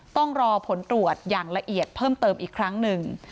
ต้องรอผลตรวจอย่างละเอียดเพิ่มเติมอีกครั้งหนึ่ง